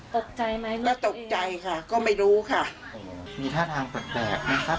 ตกใจไหมไม่ตกใจค่ะก็ไม่รู้ค่ะโอ้โหมีท่าทางแปลกแปลกนะครับ